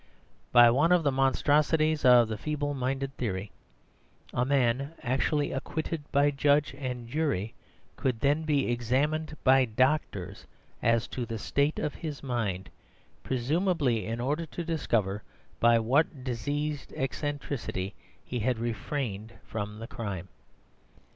By one of the monstrosities of the feeble minded theory, a man actually acquitted by judge and jury could then be examined by doctors as to the state of his mind presumably in order to discover by what diseased eccentricity he had refrained from the crime.